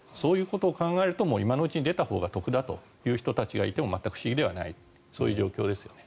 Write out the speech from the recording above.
そうなると今のうちに出たほうが得だという人たちがいても全く不思議ではないという状況ですね。